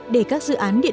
để các dự án điện đồng hành